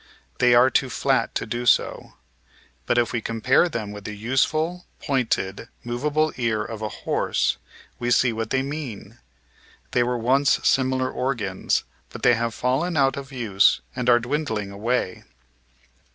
They are too flat to do so. But if we com pare them with the useful, pointed, movable ear of a horse, we see what they mean. They were once similar organs, but they have fallen out of use and are dwindling away.